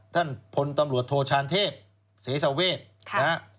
ท่านพลตำรวจโทชานเทพเสสเวทนะฮะ